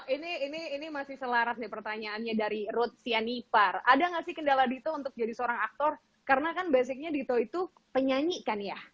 ini masih selaras nih pertanyaannya dari ruth sianipar ada nggak sih kendala dito untuk jadi seorang aktor karena kan basicnya dito itu penyanyi kan ya